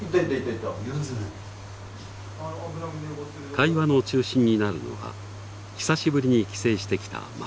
会話の中心になるのは久しぶりに帰省してきた孫。